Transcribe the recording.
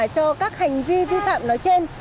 cho các hành vi vi phạm nói trên